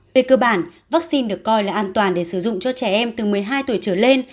về cơ bản vaccine được coi là an toàn để sử dụng cho trẻ em từ một mươi hai tuổi trở lên